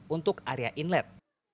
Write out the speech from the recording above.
untuk area inlet